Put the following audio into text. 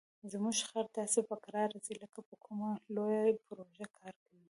زموږ خر داسې په کراره ځي لکه په کومه لویه پروژه کار کوي.